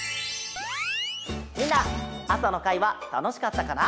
みんな朝の会はたのしかったかな？